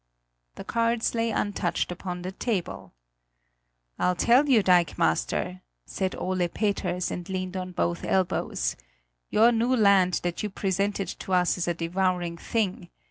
The cards lay untouched upon the table. "I'll tell you, dikemaster," said Ole Peters, and leaned on both elbows, "your new land that you presented to us is a devouring thing.